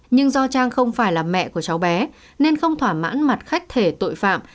nhưng do trang không phải là mẹ của cháu bé nên không thỏa mãn mặt khách thể tội phạm